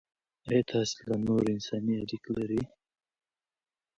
آیا تاسې له نورو سره انساني اړیکې لرئ؟